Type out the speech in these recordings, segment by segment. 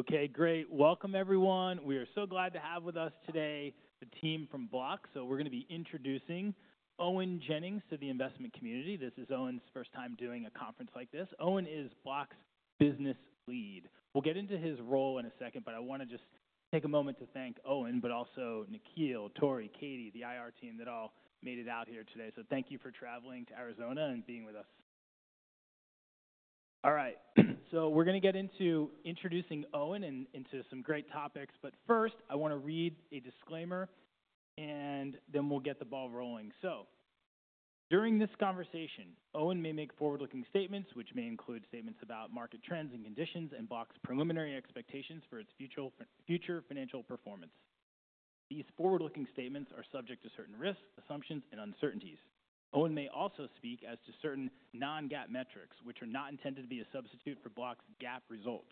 Okay, great. Welcome, everyone. We are so glad to have with us today a team from Block. So we're going to be introducing Owen Jennings to the investment community. This is Owen's first time doing a conference like this. Owen is Block's business lead. We'll get into his role in a second, but I want to just take a moment to thank Owen, but also Nikhil, Tory, Katie, the IR team that all made it out here today. So thank you for traveling to Arizona and being with us. All right. So we're going to get into introducing Owen and into some great topics. But first, I want to read a disclaimer, and then we'll get the ball rolling. So during this conversation, Owen may make forward-looking statements, which may include statements about market trends and conditions and Block's preliminary expectations for its future financial performance. These forward-looking statements are subject to certain risks, assumptions, and uncertainties. Owen may also speak as to certain non-GAAP metrics, which are not intended to be a substitute for Block's GAAP results.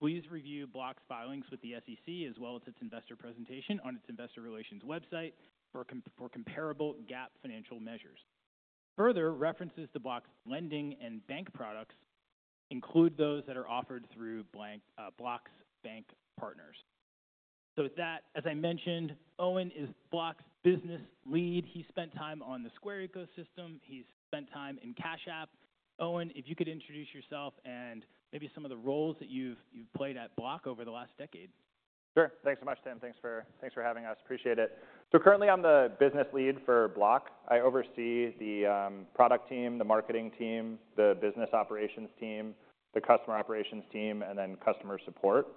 Please review Block's filings with the SEC, as well as its investor presentation on its investor relations website for comparable GAAP financial measures. Further references to Block's lending and bank products include those that are offered through Block's bank partners. So with that, as I mentioned, Owen is Block's Business Lead. He spent time on the Square ecosystem. He's spent time in Cash App. Owen, if you could introduce yourself and maybe some of the roles that you've played at Block over the last decade. Sure. Thanks so much, Tim. Thanks for having us. Appreciate it, so currently, I'm the business lead for Block. I oversee the product team, the marketing team, the business operations team, the customer operations team, and then customer support.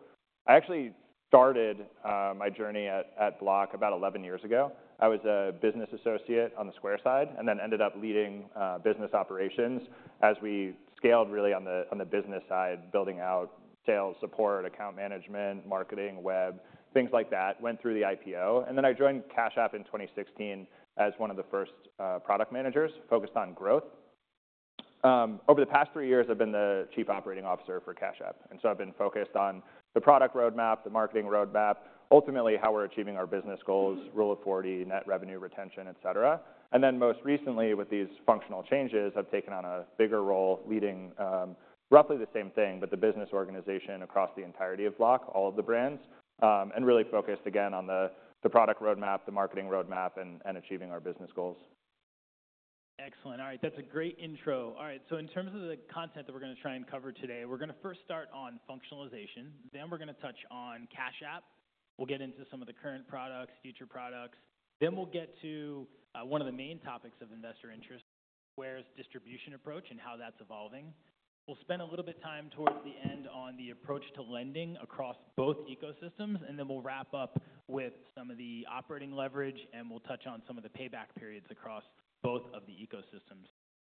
I actually started my journey at Block about 11 years ago. I was a business associate on the Square side and then ended up leading business operations as we scaled really on the business side, building out sales, support, account management, marketing, web, things like that, went through the IPO, and then I joined Cash App in 2016 as one of the first product managers focused on growth. Over the past three years, I've been the chief operating officer for Cash App, and so I've been focused on the product roadmap, the marketing roadmap, ultimately how we're achieving our business goals, Rule of 40, Net Revenue Retention, et cetera. Then most recently, with these functional changes, I've taken on a bigger role leading roughly the same thing, but the business organization across the entirety of Block, all of the brands, and really focused again on the product roadmap, the marketing roadmap, and achieving our business goals. Excellent. All right. That's a great intro. All right, so in terms of the content that we're going to try and cover today, we're going to first start on functionalization, then we're going to touch on Cash App. We'll get into some of the current products, future products, then we'll get to one of the main topics of investor interest, Square's distribution approach and how that's evolving. We'll spend a little bit of time towards the end on the approach to lending across both ecosystems, and then we'll wrap up with some of the operating leverage, and we'll touch on some of the payback periods across both of the ecosystems,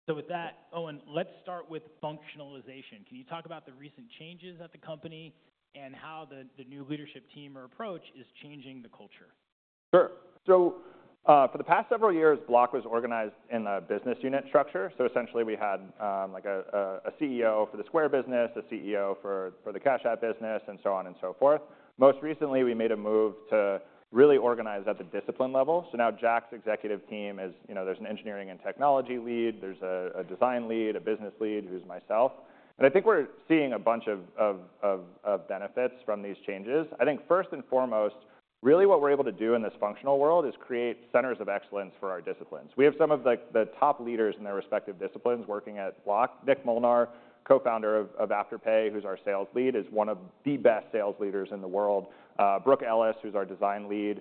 so with that, Owen, let's start with functionalization. Can you talk about the recent changes at the company and how the new leadership team or approach is changing the culture? Sure. So for the past several years, Block was organized in a business unit structure. So essentially, we had a CEO for the Square business, a CEO for the Cash App business, and so on and so forth. Most recently, we made a move to really organize at the discipline level. So now Jack's executive team is: there's an engineering and technology lead. There's a design lead, a business lead, who's myself. And I think we're seeing a bunch of benefits from these changes. I think first and foremost, really what we're able to do in this functional world is create centers of excellence for our disciplines. We have some of the top leaders in their respective disciplines working at Block. Nick Molnar, co-founder of Afterpay, who's our sales lead, is one of the best sales leaders in the world. Brooke Ellis, who's our design lead,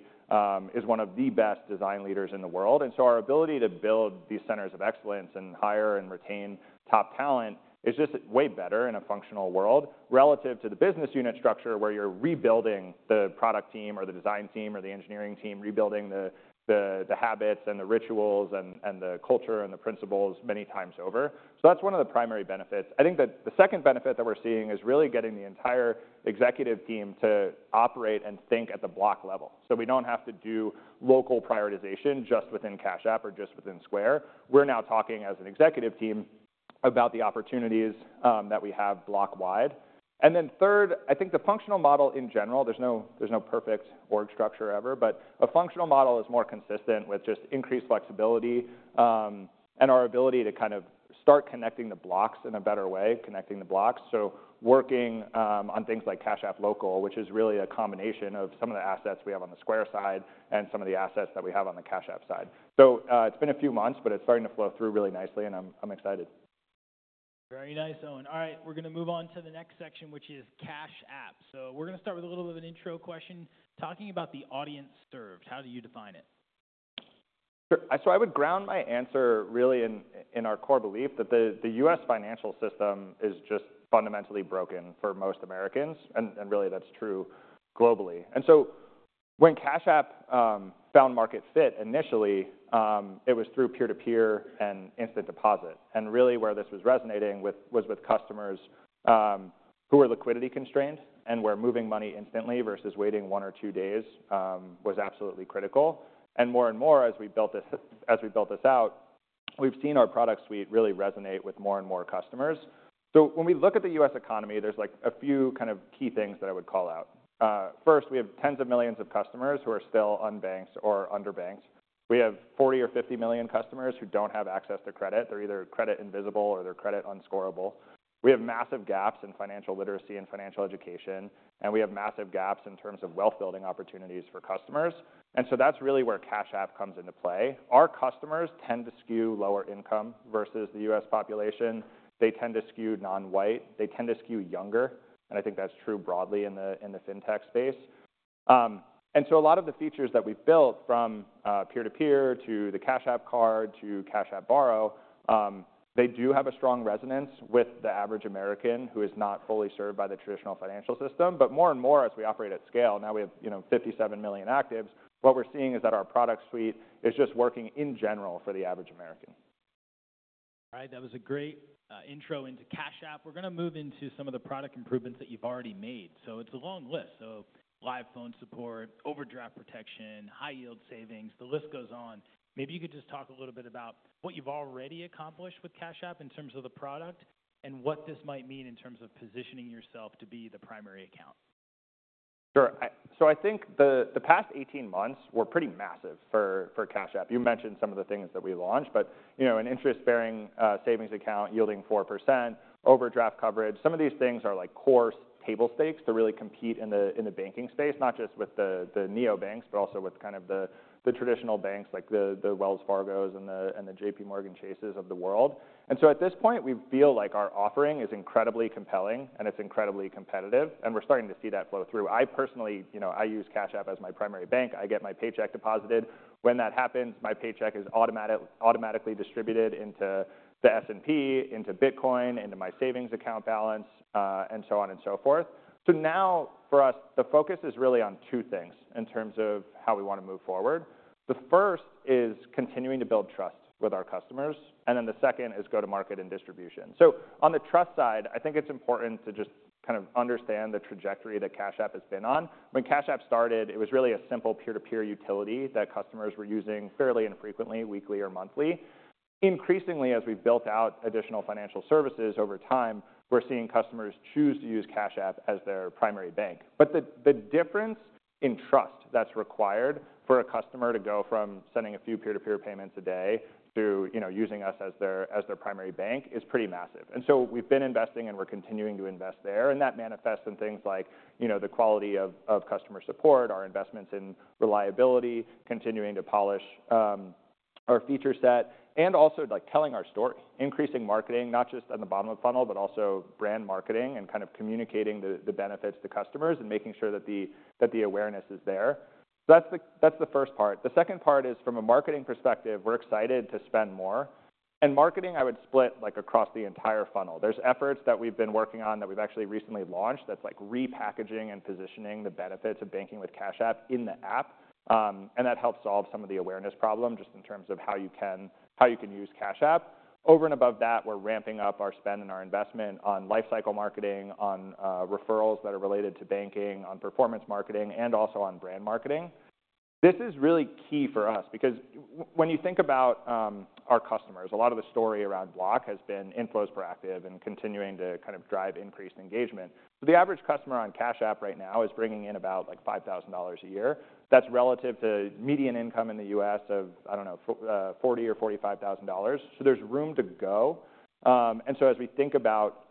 is one of the best design leaders in the world, and so our ability to build these centers of excellence and hire and retain top talent is just way better in a functional world relative to the business unit structure where you're rebuilding the product team or the design team or the engineering team, rebuilding the habits and the rituals and the culture and the principles many times over, so that's one of the primary benefits. I think that the second benefit that we're seeing is really getting the entire executive team to operate and think at the Block level, so we don't have to do local prioritization just within Cash App or just within Square. We're now talking as an executive team about the opportunities that we have Block-wide. And then third, I think the functional model in general. There's no perfect org structure ever, but a functional model is more consistent with just increased flexibility and our ability to kind of start connecting the blocks in a better way, connecting the blocks. So working on things like Cash App Local, which is really a combination of some of the assets we have on the Square side and some of the assets that we have on the Cash App side. So it's been a few months, but it's starting to flow through really nicely, and I'm excited. Very nice, Owen. All right. We're going to move on to the next section, which is Cash App. So we're going to start with a little bit of an intro question talking about the audience served. How do you define it? So I would ground my answer really in our core belief that the U.S. financial system is just fundamentally broken for most Americans. And really, that's true globally. And so when Cash App found market fit initially, it was through peer-to-peer and instant deposit. And really where this was resonating was with customers who were liquidity constrained and where moving money instantly versus waiting one or two days was absolutely critical. And more and more as we built this out, we've seen our product suite really resonate with more and more customers. So when we look at the U.S. economy, there's a few kind of key things that I would call out. First, we have tens of millions of customers who are still unbanked or underbanked. We have 40 or 50 million customers who don't have access to credit. They're either credit invisible or they're credit unscorable. We have massive gaps in financial literacy and financial education, and we have massive gaps in terms of wealth-building opportunities for customers. And so that's really where Cash App comes into play. Our customers tend to skew lower income versus the U.S. population. They tend to skew non-white. They tend to skew younger. And I think that's true broadly in the fintech space. And so a lot of the features that we've built from peer-to-peer to the Cash App Card to Cash App Borrow, they do have a strong resonance with the average American who is not fully served by the traditional financial system. But more and more as we operate at scale, now we have 57 million actives, what we're seeing is that our product suite is just working in general for the average American. All right. That was a great intro into Cash App. We're going to move into some of the product improvements that you've already made. So it's a long list. So live phone support, overdraft protection, high-yield savings, the list goes on. Maybe you could just talk a little bit about what you've already accomplished with Cash App in terms of the product and what this might mean in terms of positioning yourself to be the primary account. Sure. So I think the past 18 months were pretty massive for Cash App. You mentioned some of the things that we launched, but an interest-bearing savings account yielding 4%, overdraft coverage. Some of these things are like core table stakes to really compete in the banking space, not just with the neobanks, but also with kind of the traditional banks like the Wells Fargos and the JPMorgan Chases of the world. And so at this point, we feel like our offering is incredibly compelling, and it's incredibly competitive, and we're starting to see that flow through. I personally, I use Cash App as my primary bank. I get my paycheck deposited. When that happens, my paycheck is automatically distributed into the S&P, into Bitcoin, into my savings account balance, and so on and so forth. So now for us, the focus is really on two things in terms of how we want to move forward. The first is continuing to build trust with our customers, and then the second is go-to-market and distribution. So on the trust side, I think it's important to just kind of understand the trajectory that Cash App has been on. When Cash App started, it was really a simple peer-to-peer utility that customers were using fairly infrequently, weekly or monthly. Increasingly, as we've built out additional financial services over time, we're seeing customers choose to use Cash App as their primary bank. But the difference in trust that's required for a customer to go from sending a few peer-to-peer payments a day to using us as their primary bank is pretty massive. And so we've been investing, and we're continuing to invest there. That manifests in things like the quality of customer support, our investments in reliability, continuing to polish our feature set, and also telling our story, increasing marketing, not just on the bottom of the funnel, but also brand marketing and kind of communicating the benefits to customers and making sure that the awareness is there. That's the first part. The second part is from a marketing perspective, we're excited to spend more. Marketing, I would split across the entire funnel. There's efforts that we've been working on that we've actually recently launched that's repackaging and positioning the benefits of banking with Cash App in the app. That helps solve some of the awareness problem just in terms of how you can use Cash App. Over and above that, we're ramping up our spend and our investment on lifecycle marketing, on referrals that are related to banking, on performance marketing, and also on brand marketing. This is really key for us because when you think about our customers, a lot of the story around Block has been inflows proactive and continuing to kind of drive increased engagement. The average customer on Cash App right now is bringing in about $5,000 a year. That's relative to median income in the U.S. of, I don't know, $40,000 or $45,000. So there's room to go. And so as we think about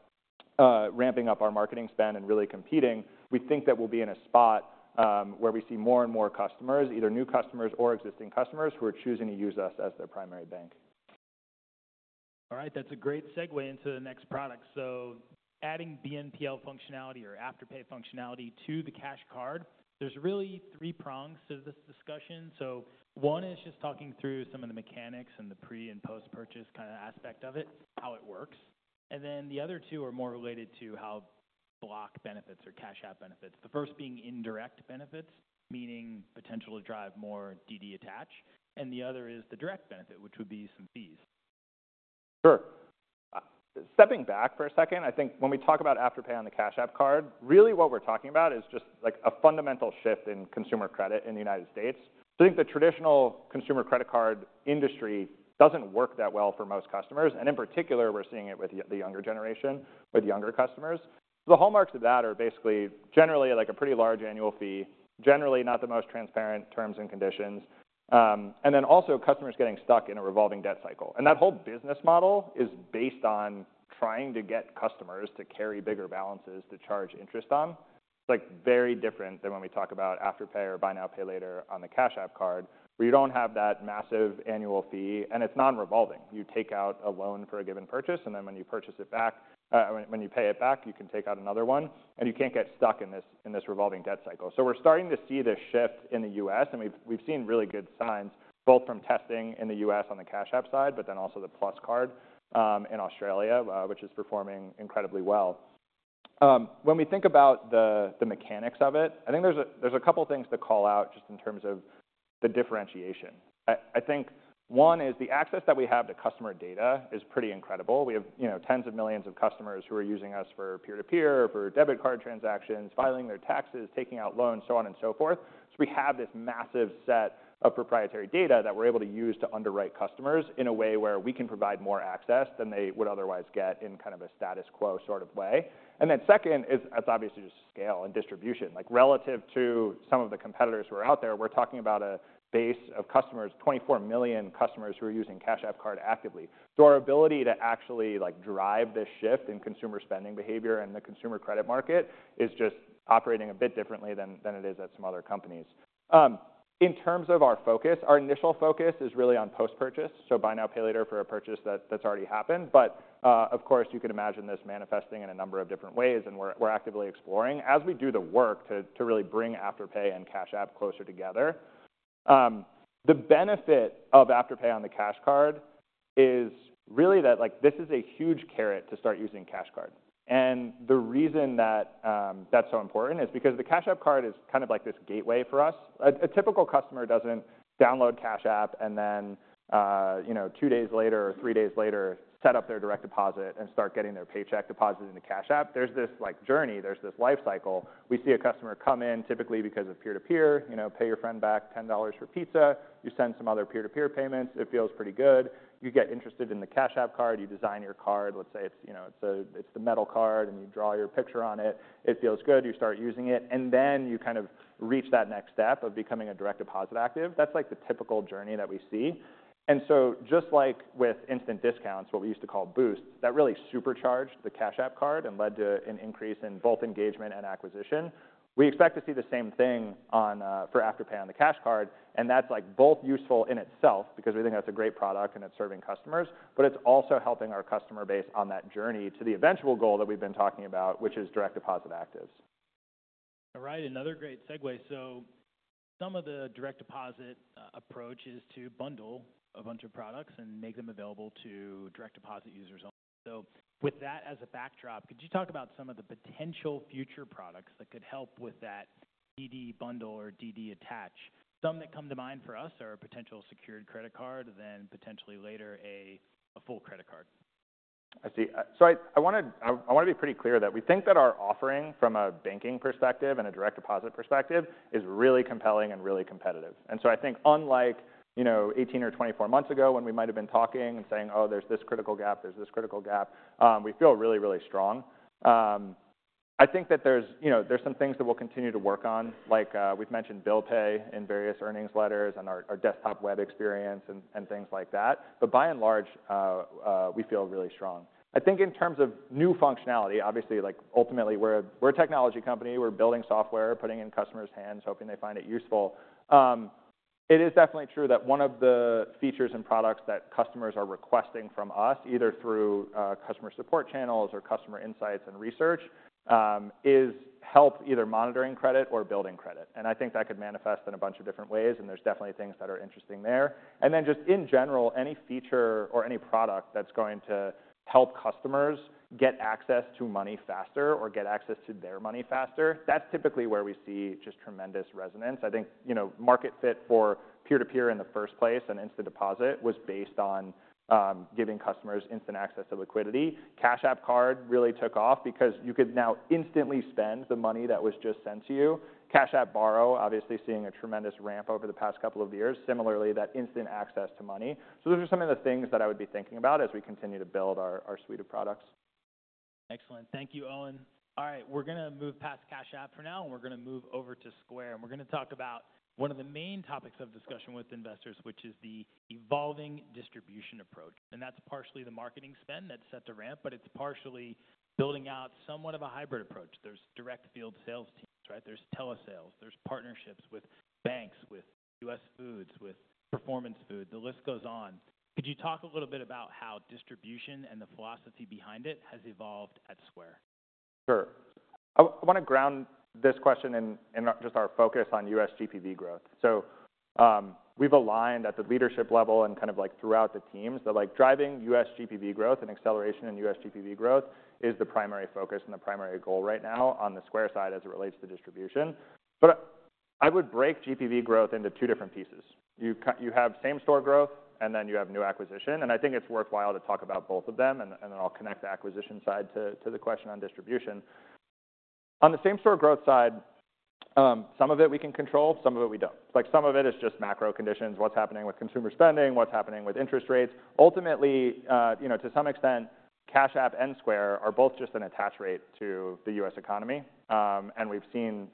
ramping up our marketing spend and really competing, we think that we'll be in a spot where we see more and more customers, either new customers or existing customers, who are choosing to use us as their primary bank. All right. That's a great segue into the next product, so adding BNPL functionality or Afterpay functionality to the Cash Card. There's really three prongs to this discussion, so one is just talking through some of the mechanics and the pre and post-purchase kind of aspect of it, how it works, and then the other two are more related to how Block benefits or Cash App benefits, the first being indirect benefits, meaning potential to drive more DD attach, and the other is the direct benefit, which would be some fees. Sure. Stepping back for a second, I think when we talk about Afterpay on the Cash App Card, really what we're talking about is just a fundamental shift in consumer credit in the United States. I think the traditional consumer credit card industry doesn't work that well for most customers. And in particular, we're seeing it with the younger generation, with younger customers. The hallmarks of that are basically generally a pretty large annual fee, generally not the most transparent terms and conditions, and then also customers getting stuck in a revolving debt cycle. And that whole business model is based on trying to get customers to carry bigger balances to charge interest on. It's very different than when we talk about Afterpay or Buy Now Pay Later on the Cash App Card, where you don't have that massive annual fee, and it's non-revolving. You take out a loan for a given purchase, and then when you purchase it back, when you pay it back, you can take out another one, and you can't get stuck in this revolving debt cycle, so we're starting to see this shift in the U.S., and we've seen really good signs both from testing in the U.S. on the Cash App side, but then also the Plus Card in Australia, which is performing incredibly well. When we think about the mechanics of it, I think there's a couple of things to call out just in terms of the differentiation. I think one is the access that we have to customer data is pretty incredible. We have tens of millions of customers who are using us for peer-to-peer, for debit card transactions, filing their taxes, taking out loans, so on and so forth. So we have this massive set of proprietary data that we're able to use to underwrite customers in a way where we can provide more access than they would otherwise get in kind of a status quo sort of way. And then second is, that's obviously just scale and distribution. Relative to some of the competitors who are out there, we're talking about a base of customers, 24 million customers who are using Cash App Card actively. So our ability to actually drive this shift in consumer spending behavior and the consumer credit market is just operating a bit differently than it is at some other companies. In terms of our focus, our initial focus is really on post-purchase, so Buy Now Pay Later for a purchase that's already happened. But of course, you can imagine this manifesting in a number of different ways, and we're actively exploring as we do the work to really bring Afterpay and Cash App closer together. The benefit of Afterpay on the Cash App Card is really that this is a huge carrot to start using Cash App Card. And the reason that that's so important is because the Cash App Card is kind of like this gateway for us. A typical customer doesn't download Cash App and then two days later or three days later set up their direct deposit and start getting their paycheck deposited into Cash App. There's this journey. There's this life cycle. We see a customer come in typically because of peer-to-peer, pay your friend back $10 for pizza. You send some other peer-to-peer payments. It feels pretty good. You get interested in the Cash App Card. You design your card. Let's say it's the metal card, and you draw your picture on it. It feels good. You start using it, and then you kind of reach that next step of becoming a direct deposit active. That's like the typical journey that we see. And so just like with instant discounts, what we used to call boosts, that really supercharged the Cash App Card and led to an increase in both engagement and acquisition. We expect to see the same thing for Afterpay on the Cash Card. And that's both useful in itself because we think that's a great product and it's serving customers, but it's also helping our customer base on that journey to the eventual goal that we've been talking about, which is direct deposit actives. All right. Another great segue. So some of the direct deposit approach is to bundle a bunch of products and make them available to direct deposit users. So with that as a backdrop, could you talk about some of the potential future products that could help with that DD bundle or DD attach? Some that come to mind for us are a potential secured credit card, then potentially later a full credit card. I see. So I want to be pretty clear that we think that our offering from a banking perspective and a direct deposit perspective is really compelling and really competitive. And so I think unlike 18 or 24 months ago when we might have been talking and saying, "Oh, there's this critical gap. There's this critical gap," we feel really, really strong. I think that there's some things that we'll continue to work on, like we've mentioned Bill Pay in various earnings letters and our desktop web experience and things like that. But by and large, we feel really strong. I think in terms of new functionality, obviously, ultimately, we're a technology company. We're building software, putting it in customers' hands, hoping they find it useful. It is definitely true that one of the features and products that customers are requesting from us, either through customer support channels or customer insights and research, is help either monitoring credit or building credit. And I think that could manifest in a bunch of different ways, and there's definitely things that are interesting there. And then just in general, any feature or any product that's going to help customers get access to money faster or get access to their money faster, that's typically where we see just tremendous resonance. I think market fit for peer-to-peer in the first place and instant deposit was based on giving customers instant access to liquidity. Cash App Card really took off because you could now instantly spend the money that was just sent to you. Cash App Borrow, obviously, seeing a tremendous ramp over the past couple of years, similarly that instant access to money. So those are some of the things that I would be thinking about as we continue to build our suite of products. Excellent. Thank you, Owen. All right. We're going to move past Cash App for now, and we're going to move over to Square, and we're going to talk about one of the main topics of discussion with investors, which is the evolving distribution approach, and that's partially the marketing spend that's set to ramp, but it's partially building out somewhat of a hybrid approach. There's direct field sales teams, right? There's telesales. There's partnerships with banks, with US Foods, with Performance Foods. The list goes on. Could you talk a little bit about how distribution and the philosophy behind it has evolved at Square? Sure. I want to ground this question in just our focus on US GPV growth. So we've aligned at the leadership level and kind of throughout the teams that driving US GPV growth and acceleration in US GPV growth is the primary focus and the primary goal right now on the Square side as it relates to distribution. But I would break GPV growth into two different pieces. You have same-store growth, and then you have new acquisition. And I think it's worthwhile to talk about both of them, and then I'll connect the acquisition side to the question on distribution. On the same-store growth side, some of it we can control, some of it we don't. Some of it is just macro conditions, what's happening with consumer spending, what's happening with interest rates. Ultimately, to some extent, Cash App and Square are both just an attach rate to the U.S. economy. And we've seen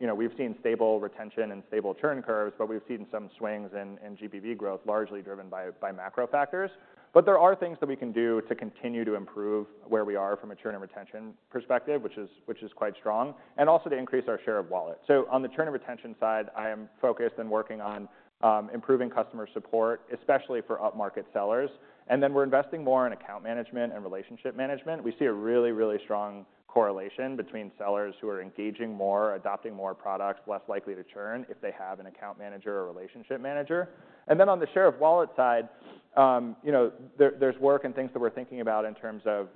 stable retention and stable churn curves, but we've seen some swings in GPV growth largely driven by macro factors. But there are things that we can do to continue to improve where we are from a churn and retention perspective, which is quite strong, and also to increase our share of wallet. So on the churn and retention side, I am focused and working on improving customer support, especially for up-market sellers. And then we're investing more in account management and relationship management. We see a really, really strong correlation between sellers who are engaging more, adopting more products, less likely to churn if they have an account manager or relationship manager. On the share of wallet side, there's work and things that we're thinking about in terms of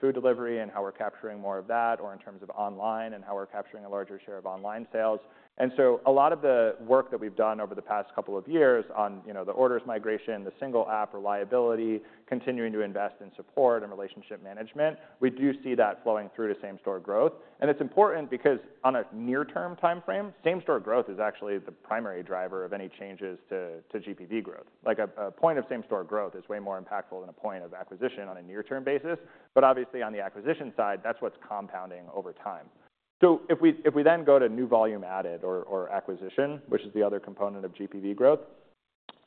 food delivery and how we're capturing more of that, or in terms of online and how we're capturing a larger share of online sales. A lot of the work that we've done over the past couple of years on the orders migration, the single app reliability, continuing to invest in support and relationship management, we do see that flowing through to same-store growth. It's important because on a near-term time frame, same-store growth is actually the primary driver of any changes to GPV growth. A point of same-store growth is way more impactful than a point of acquisition on a near-term basis. Obviously, on the acquisition side, that's what's compounding over time. So if we then go to new volume added or acquisition, which is the other component of GPV growth,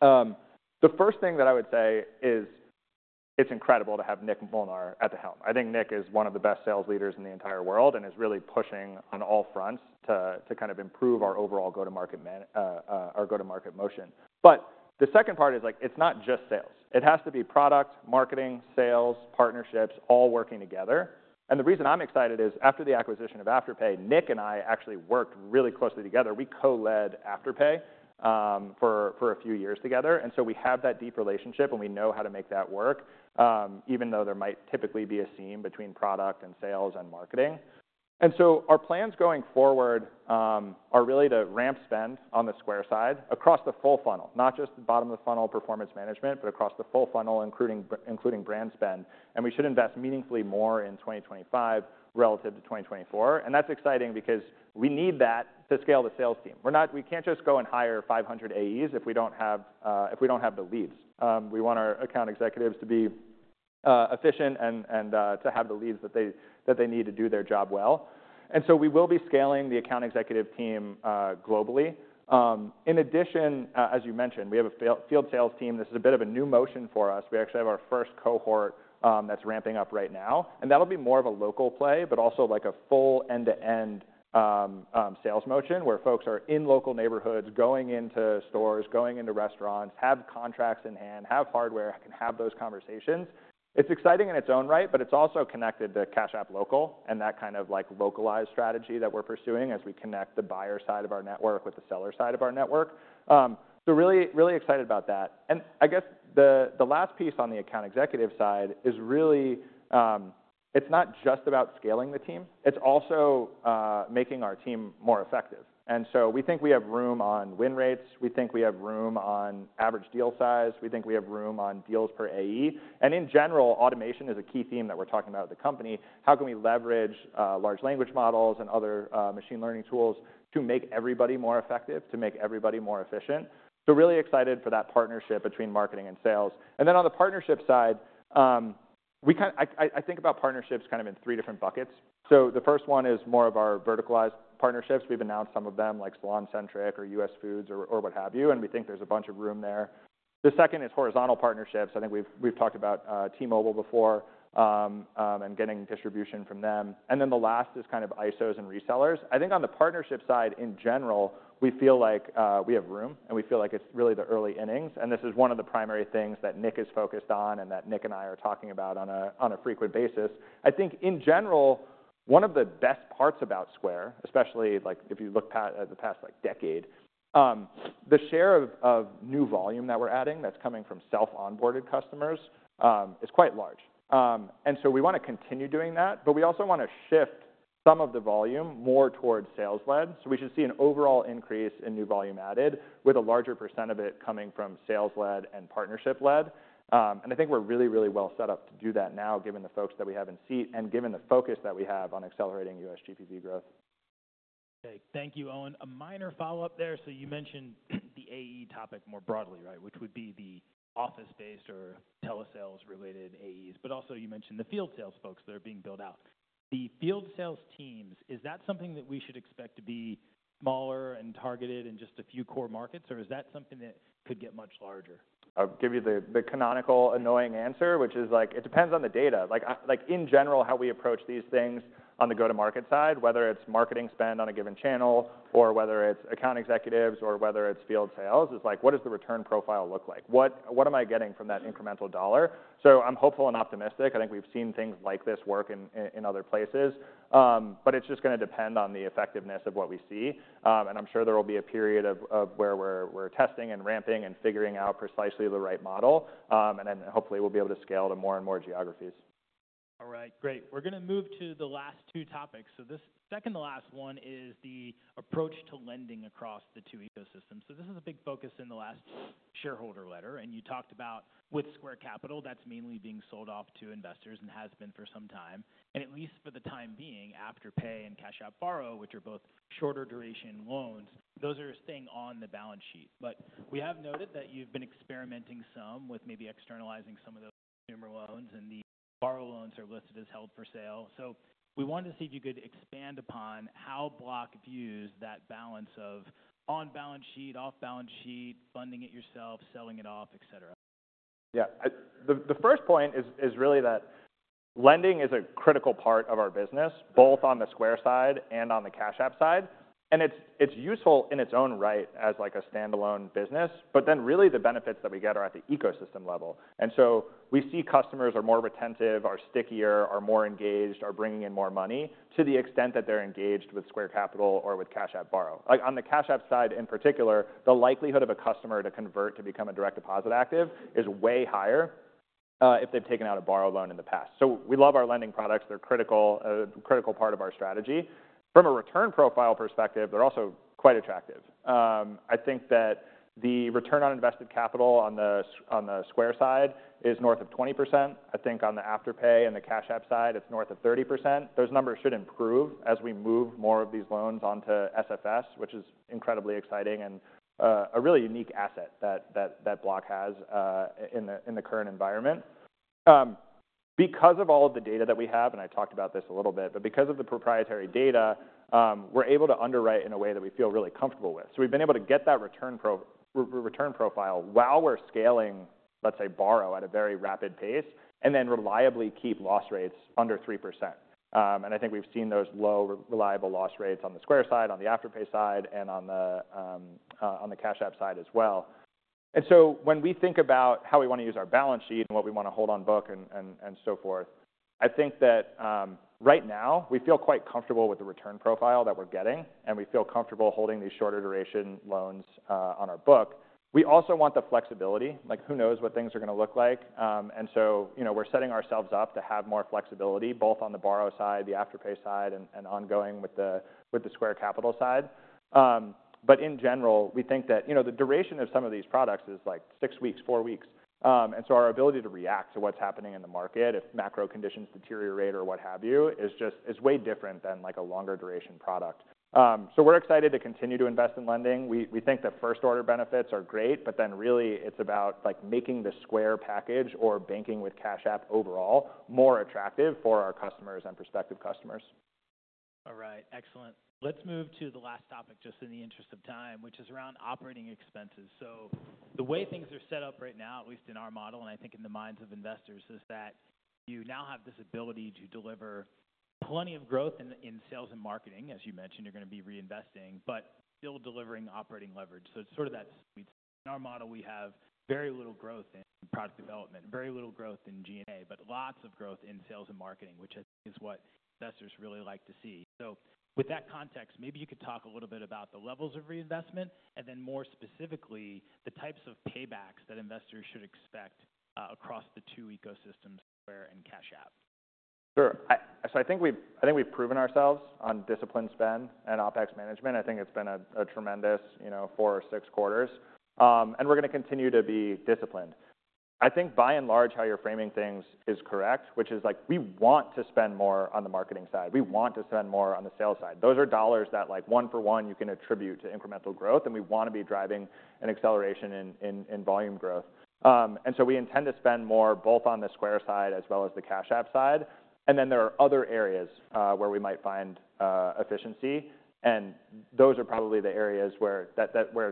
the first thing that I would say is it's incredible to have Nick Molnar at the helm. I think Nick is one of the best sales leaders in the entire world and is really pushing on all fronts to kind of improve our overall go-to-market motion. But the second part is it's not just sales. It has to be product, marketing, sales, partnerships all working together. And the reason I'm excited is after the acquisition of Afterpay, Nick and I actually worked really closely together. We co-led Afterpay for a few years together. And so we have that deep relationship, and we know how to make that work, even though there might typically be a seam between product and sales and marketing. And so our plans going forward are really to ramp spend on the Square side across the full funnel, not just the bottom of the funnel performance management, but across the full funnel, including brand spend. And we should invest meaningfully more in 2025 relative to 2024. And that's exciting because we need that to scale the sales team. We can't just go and hire 500 AEs if we don't have the leads. We want our account executives to be efficient and to have the leads that they need to do their job well. And so we will be scaling the account executive team globally. In addition, as you mentioned, we have a field sales team. This is a bit of a new motion for us. We actually have our first cohort that's ramping up right now. And that'll be more of a local play, but also a full end-to-end sales motion where folks are in local neighborhoods, going into stores, going into restaurants, have contracts in hand, have hardware, and have those conversations. It's exciting in its own right, but it's also connected to Cash App Local and that kind of localized strategy that we're pursuing as we connect the buyer side of our network with the seller side of our network. So really excited about that. And I guess the last piece on the account executive side is really it's not just about scaling the team. It's also making our team more effective. And so we think we have room on win rates. We think we have room on average deal size. We think we have room on deals per AE. And in general, automation is a key theme that we're talking about at the company. How can we leverage large language models and other machine learning tools to make everybody more effective, to make everybody more efficient? So really excited for that partnership between marketing and sales. And then on the partnership side, I think about partnerships kind of in three different buckets. So the first one is more of our verticalized partnerships. We've announced some of them like SalonCentric or US Foods or what have you, and we think there's a bunch of room there. The second is horizontal partnerships. I think we've talked about T-Mobile before and getting distribution from them. And then the last is kind of ISOs and resellers. I think on the partnership side in general, we feel like we have room, and we feel like it's really the early innings. This is one of the primary things that Nick is focused on and that Nick and I are talking about on a frequent basis. I think in general, one of the best parts about Square, especially if you look at the past decade, the share of new volume that we're adding that's coming from self-onboarded customers is quite large. We want to continue doing that, but we also want to shift some of the volume more towards sales-led. We should see an overall increase in new volume added with a larger percent of it coming from sales-led and partnership-led. I think we're really, really well set up to do that now, given the folks that we have in seat and given the focus that we have on accelerating U.S. GPV growth. Okay. Thank you, Owen. A minor follow-up there. So you mentioned the AE topic more broadly, right, which would be the office-based or telesales-related AEs, but also you mentioned the field sales folks that are being built out. The field sales teams, is that something that we should expect to be smaller and targeted in just a few core markets, or is that something that could get much larger? I'll give you the canonical annoying answer, which is, it depends on the data. In general, how we approach these things on the go-to-market side, whether it's marketing spend on a given channel or whether it's account executives or whether it's field sales, is what does the return profile look like? What am I getting from that incremental dollar? So I'm hopeful and optimistic. I think we've seen things like this work in other places, but it's just going to depend on the effectiveness of what we see. And I'm sure there will be a period where we're testing and ramping and figuring out precisely the right model. And then hopefully, we'll be able to scale to more and more geographies. All right. Great. We're going to move to the last two topics. So the second to last one is the approach to lending across the two ecosystems. So this is a big focus in the last shareholder letter. And you talked about with Square Capital, that's mainly being sold off to investors and has been for some time. And at least for the time being, Afterpay and Cash App Borrow, which are both shorter-duration loans, those are a thing on the balance sheet. But we have noted that you've been experimenting some with maybe externalizing some of those consumer loans, and the borrow loans are listed as held for sale. So we wanted to see if you could expand upon how Block views that balance of on-balance sheet, off-balance sheet, funding it yourself, selling it off, etc. Yeah. The first point is really that lending is a critical part of our business, both on the Square side and on the Cash App side. And it's useful in its own right as a standalone business, but then really the benefits that we get are at the ecosystem level. And so we see customers are more retentive, are stickier, are more engaged, are bringing in more money to the extent that they're engaged with Square Capital or with Cash App Borrow. On the Cash App side in particular, the likelihood of a customer to convert to become a direct deposit active is way higher if they've taken out a borrow loan in the past. So we love our lending products. They're a critical part of our strategy. From a return profile perspective, they're also quite attractive. I think that the return on invested capital on the Square side is north of 20%. I think on the Afterpay and the Cash App side, it's north of 30%. Those numbers should improve as we move more of these loans onto SFS, which is incredibly exciting and a really unique asset that Block has in the current environment. Because of all of the data that we have, and I talked about this a little bit, but because of the proprietary data, we're able to underwrite in a way that we feel really comfortable with. So we've been able to get that return profile while we're scaling, let's say, borrow at a very rapid pace and then reliably keep loss rates under 3%, and I think we've seen those low reliable loss rates on the Square side, on the Afterpay side, and on the Cash App side as well. And so when we think about how we want to use our balance sheet and what we want to hold on book and so forth, I think that right now we feel quite comfortable with the return profile that we're getting, and we feel comfortable holding these shorter-duration loans on our book. We also want the flexibility. Who knows what things are going to look like? And so we're setting ourselves up to have more flexibility both on the borrow side, the Afterpay side, and ongoing with the Square Capital side. But in general, we think that the duration of some of these products is like six weeks, four weeks. And so our ability to react to what's happening in the market, if macro conditions deteriorate or what have you, is way different than a longer-duration product. So we're excited to continue to invest in lending. We think that first-order benefits are great, but then really it's about making the Square package or banking with Cash App overall more attractive for our customers and prospective customers. All right. Excellent. Let's move to the last topic just in the interest of time, which is around operating expenses. So the way things are set up right now, at least in our model and I think in the minds of investors, is that you now have this ability to deliver plenty of growth in sales and marketing, as you mentioned, you're going to be reinvesting, but still delivering operating leverage. So it's sort of that sweet. In our model, we have very little growth in product development, very little growth in G&A, but lots of growth in sales and marketing, which I think is what investors really like to see. So with that context, maybe you could talk a little bit about the levels of reinvestment and then more specifically the types of paybacks that investors should expect across the two ecosystems, Square and Cash App. Sure. So I think we've proven ourselves on disciplined spend and OpEx management. I think it's been a tremendous four or six quarters, and we're going to continue to be disciplined. I think by and large how you're framing things is correct, which is we want to spend more on the marketing side. We want to spend more on the sales side. Those are dollars that one for one you can attribute to incremental growth, and we want to be driving an acceleration in volume growth, and so we intend to spend more both on the Square side as well as the Cash App side, and then there are other areas where we might find efficiency, and those are probably the areas where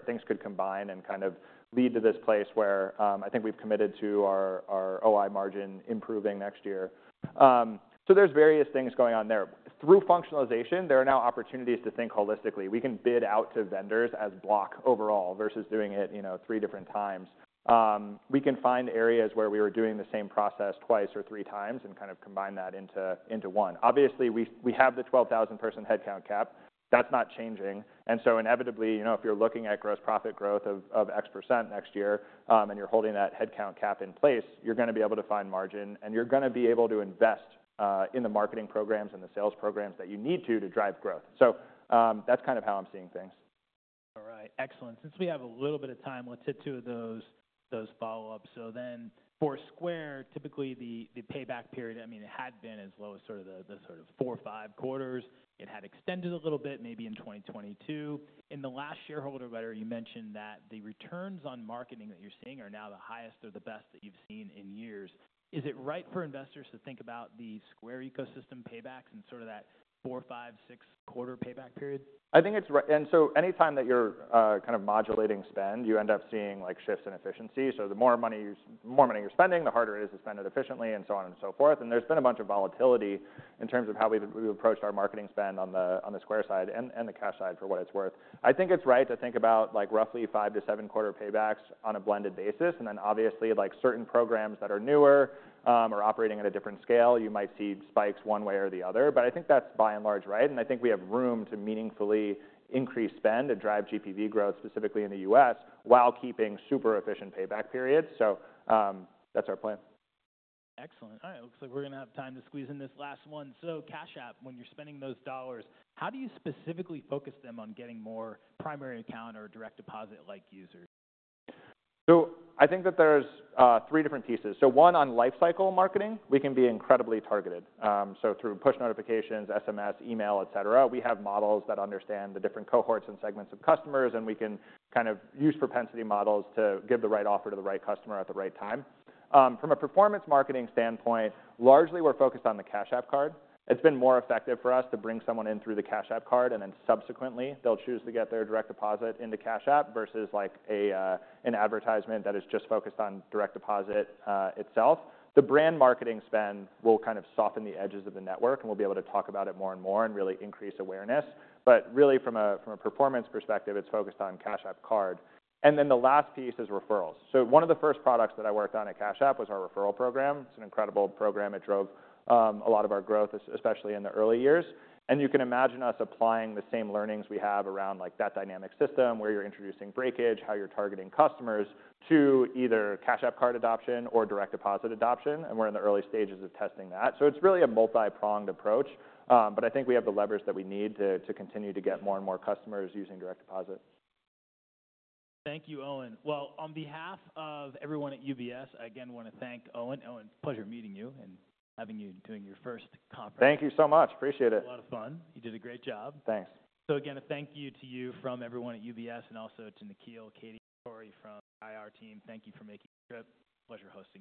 things could combine and kind of lead to this place where I think we've committed to our OI margin improving next year. So there's various things going on there. Through functionalization, there are now opportunities to think holistically. We can bid out to vendors as Block overall versus doing it three different times. We can find areas where we were doing the same process twice or three times and kind of combine that into one. Obviously, we have the 12,000-person headcount cap. That's not changing. And so inevitably, if you're looking at gross profit growth of X% next year and you're holding that headcount cap in place, you're going to be able to find margin and you're going to be able to invest in the marketing programs and the sales programs that you need to drive growth. So that's kind of how I'm seeing things. All right. Excellent. Since we have a little bit of time, let's hit two of those follow-ups. So then for Square, typically the payback period, I mean, it had been as low as sort of four, five quarters. It had extended a little bit maybe in 2022. In the last shareholder letter, you mentioned that the returns on marketing that you're seeing are now the highest or the best that you've seen in years. Is it right for investors to think about the Square ecosystem paybacks and sort of that four, five, six quarter payback period? I think it's right, and so anytime that you're kind of modulating spend, you end up seeing shifts in efficiency, so the more money you're spending, the harder it is to spend it efficiently and so on and so forth, and there's been a bunch of volatility in terms of how we've approached our marketing spend on the Square side and the Cash side for what it's worth. I think it's right to think about roughly five to seven quarter paybacks on a blended basis, and then obviously, certain programs that are newer or operating at a different scale, you might see spikes one way or the other, but I think that's by and large right, and I think we have room to meaningfully increase spend and drive GPV growth specifically in the U.S. while keeping super efficient payback periods, so that's our plan. Excellent. All right. It looks like we're going to have time to squeeze in this last one. So Cash App, when you're spending those dollars, how do you specifically focus them on getting more primary account or direct deposit-like users? So I think that there's three different pieces. So one on lifecycle marketing, we can be incredibly targeted. So through push notifications, SMS, email, etc., we have models that understand the different cohorts and segments of customers, and we can kind of use propensity models to give the right offer to the right customer at the right time. From a performance marketing standpoint, largely we're focused on the Cash App Card. It's been more effective for us to bring someone in through the Cash App Card, and then subsequently they'll choose to get their direct deposit into Cash App versus an advertisement that is just focused on direct deposit itself. The brand marketing spend will kind of soften the edges of the network, and we'll be able to talk about it more and more and really increase awareness. But really from a performance perspective, it's focused on Cash App Card. And then the last piece is referrals. So one of the first products that I worked on at Cash App was our referral program. It's an incredible program. It drove a lot of our growth, especially in the early years. And you can imagine us applying the same learnings we have around that dynamic system where you're introducing breakage, how you're targeting customers to either Cash App card adoption or direct deposit adoption. And we're in the early stages of testing that. So it's really a multi-pronged approach, but I think we have the levers that we need to continue to get more and more customers using direct deposit. Thank you, Owen. On behalf of everyone at UBS, I again want to thank Owen. Owen, pleasure meeting you and having you doing your first conference. Thank you so much. Appreciate it. A lot of fun. You did a great job. Thanks. So again, a thank you to you from everyone at UBS and also to Nikhil, Katie, and Tory from the IR team. Thank you for making the trip. Pleasure hosting.